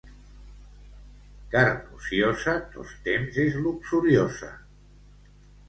Carn ociosa tostemps és luxuriosa.